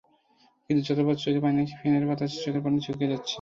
কিন্তু যতবার চোখে পানি আসে, ফ্যানের বাতাসে চোখের পানি শুকিয়ে যাচ্ছিল।